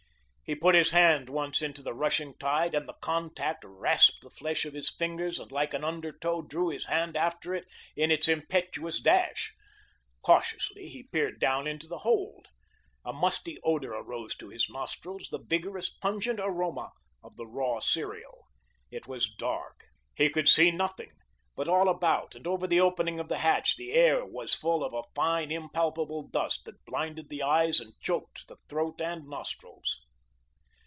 He put his hand once into the rushing tide, and the contact rasped the flesh of his fingers and like an undertow drew his hand after it in its impetuous dash. Cautiously he peered down into the hold. A musty odour rose to his nostrils, the vigorous, pungent aroma of the raw cereal. It was dark. He could see nothing; but all about and over the opening of the hatch the air was full of a fine, impalpable dust that blinded the eyes and choked the throat and nostrils.